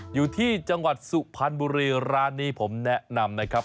อยู่ที่จังหวัดสุพรรณบุรีร้านนี้ผมแนะนำนะครับ